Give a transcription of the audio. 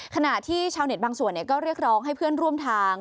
ขณะที่ชาวเน็ตบางส่วนก็เรียกร้องให้เพื่อนร่วมทาง